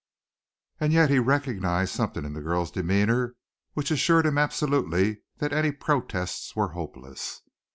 And yet he recognized something in the girl's demeanor which assured him absolutely that any protests were hopeless.